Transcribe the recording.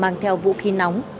bằng theo vũ khí nóng